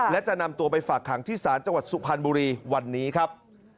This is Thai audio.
และจะนำตัวไปฝากขังที่ศาลจังหวัดสุพรรณบุรีวันนี้ครับ